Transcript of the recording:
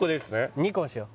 ２個にしよう